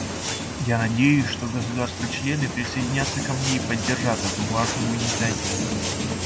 Я надеюсь, что государства-члены присоединятся ко мне и поддержат эту важную инициативу.